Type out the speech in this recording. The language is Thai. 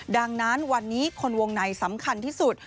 ดังนั้นวันนี้คนวงในสำคัญที่สุด